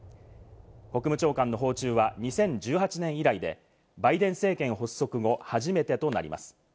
国務長官の訪中は２０１８年以来で、バイデン政権発足後、初めてとなります。